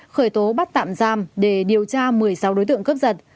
khởi tố bắt tạm giam để điều tra một mươi sáu đối tượng cướp giật